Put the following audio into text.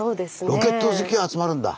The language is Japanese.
ロケット好きが集まるんだ。